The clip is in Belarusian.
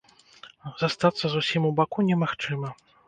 Застацца зусім у баку немагчыма.